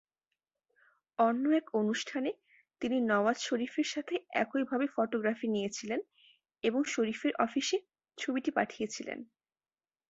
অন্য এক অনুষ্ঠানে তিনি নওয়াজ শরীফের সাথে একইভাবে ফটোগ্রাফি নিয়েছিলেন এবং শরীফের অফিসে ছবিটি পাঠিয়েছিলেন।